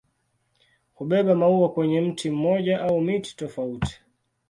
Hubeba maua kwenye mti mmoja au miti tofauti.